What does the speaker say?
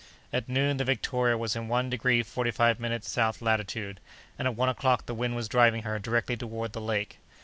At noon, the Victoria was in one degree forty five minutes south latitude, and at one o'clock the wind was driving her directly toward the lake.